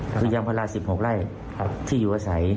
คือยางพารา๑๖ไร่ที่อยู่ใส